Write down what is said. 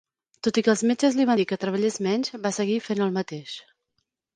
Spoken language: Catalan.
Tot i que els metges li van dir que treballés menys, va seguir fent el mateix.